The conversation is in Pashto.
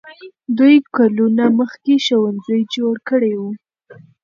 دوی کلونه مخکې ښوونځي جوړ کړي وو.